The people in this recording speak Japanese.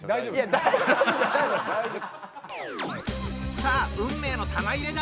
さあ運命の玉入れだ！